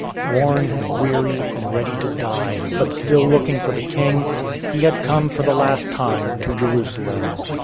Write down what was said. Worn and weary and ready to die, but still looking for the King, he had come for the last time to Jerusalem.